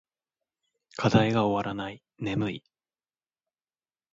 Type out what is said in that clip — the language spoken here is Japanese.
課題が終わらない。眠い。